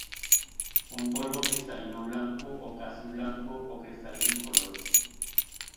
Un polvo cristalino blanco o casi blanco o cristales incoloros.